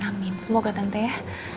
amin semoga tante ya